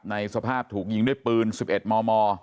สภาพถูกยิงด้วยปืน๑๑มม